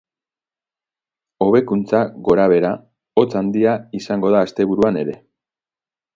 Hobekuntza gorabehera, hotz handia izango da asteburuan ere.